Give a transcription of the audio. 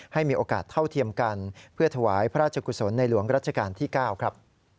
ให้มีโอกาสเท่าเทียมกันเพื่อถวายพระราชกุศลในหลวงรัชกาลที่๙ครับ